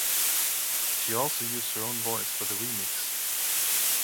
She also used her own voice for the remix.